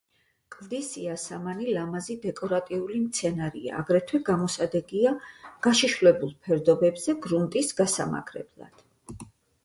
კლდის იასამანი ლამაზი დეკორატიული მცენარეა, აგრეთვე გამოსადეგია გაშიშვლებულ ფერდობებზე გრუნტის გასამაგრებლად.